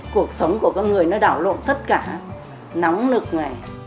cuộc sống của con người nó đảo lộn tất cả nóng lực này